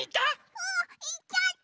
うんいっちゃった。